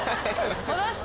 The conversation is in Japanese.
戻して！